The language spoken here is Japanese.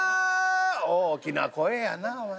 「大きな声やなお前。